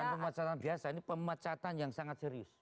ini pemecatan biasa ini pemecatan yang sangat serius